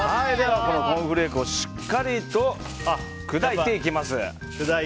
コーンフレークをしっかりと砕いていきます。